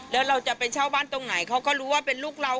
แล้วเราจะไปเช่าบ้านตรงไหนเขาก็รู้ว่าเป็นลูกเรา